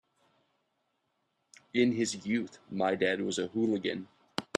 In his youth my dad was a hooligan.